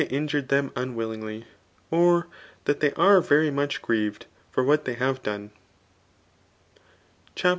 injured them unwillingly, or that tttey are very much grieved for what theyTiave done, ' C H A V.